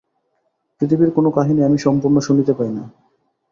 পৃথিবীর কোনো কাহিনী আমি সম্পূর্ণ শুনিতে পাই না।